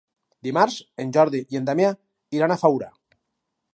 Dimarts en Jordi i en Damià iran a Faura.